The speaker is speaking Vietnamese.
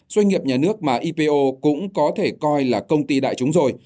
doanh nghiệp nhà nước mà ipo cũng có thể coi là công ty đại chúng rồi